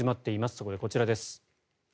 そこでこちらです。